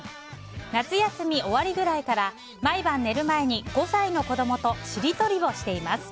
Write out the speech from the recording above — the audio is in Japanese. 夏休み終わりくらいから毎晩、寝る前に５歳の子供としりとりをしています。